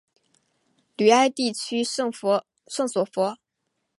吕埃地区圣索弗。